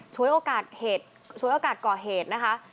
ช่วยโอกาสเกาะเหตุนะคะ